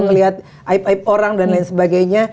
melihat aib aib orang dan lain sebagainya